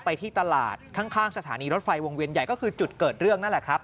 ที่ตลาดข้างสถานีรถไฟวงเวียนใหญ่ก็คือจุดเกิดเรื่องนั่นแหละครับ